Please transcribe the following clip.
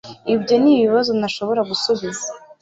Ibyo nibibazo ntashobora gusubiza